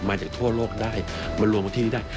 มาจากทั่วโลกได้มารวมที่นี้ได้